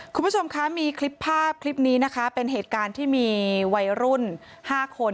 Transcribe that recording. คุณผู้ชมคะมีคลิปภาพคลิปนี้นะคะเป็นเหตุการณ์ที่มีวัยรุ่น๕คน